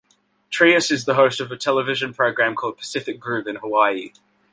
Trias is the host of a television program called "Pacific Groove" in Hawaii.